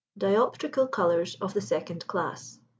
DIOPTRICAL COLOURS OF THE SECOND CLASS.